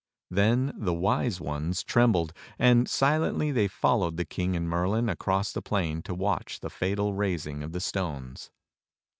Then the Wise Ones trembled, and silently they followed the King and Merlin across the plain to watch the fatal raising of the stones.